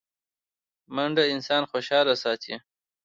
منډه انسان خوشحاله ساتي